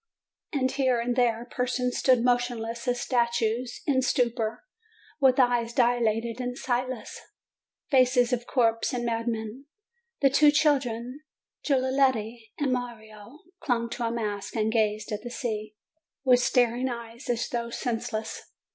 And here and there persons stood motionless as statues, in stupor, with eyes dilated and sightless, faces of corpses and madmen. The two children, Giulietta and Mario, clung to a mast and gazed at the sea with staring eyes, as though senseless.